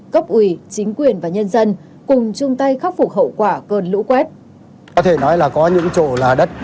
cấp ủy chính quyền và nhân dân cùng chung tay khắc phục hậu quả cơn lũ quét